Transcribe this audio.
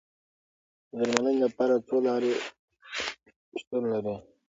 د درملنې لپاره څو لارې شتون لري.